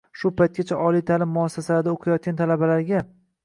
Shu paytgacha oliy ta’lim muassasalarida o‘qiyotgan talabalarga